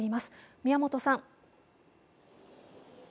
宮本さん。